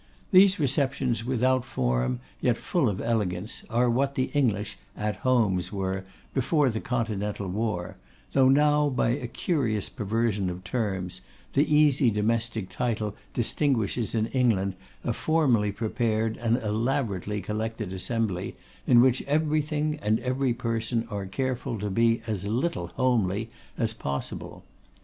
These receptions without form, yet full of elegance, are what English 'at homes' were before the Continental war, though now, by a curious perversion of terms, the easy domestic title distinguishes in England a formally prepared and elaborately collected assembly, in which everything and every person are careful to be as little 'homely' as possible.